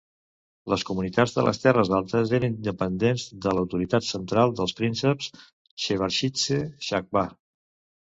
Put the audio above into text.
Les comunitats de les terres altes eren independents de l'autoritat central dels prínceps Shervashidze-Chachba.